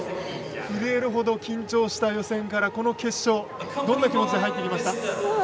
震えるほど緊張した予選からこの決勝どんな気持ちで入ってきました？